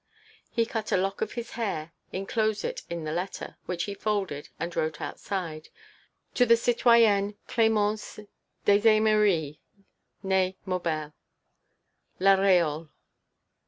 _ He cut a lock of his hair, enclosed it in the letter, which he folded and wrote outside: _To the citoyenne Clémence Dezeimeries, née Maubel, La Réole.